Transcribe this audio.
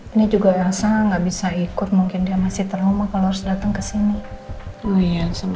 ini juga elsa ga bisa ikut mungkin dia masih terlumak kalo harus datang kesini